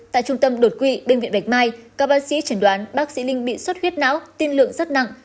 tại trung tâm đột quỵ bệnh viện bạch mai các bác sĩ chẩn đoán bác sĩ linh bị suất huyết não tin lượng rất nặng